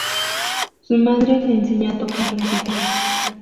Su madre le enseñó a tocar la cítara.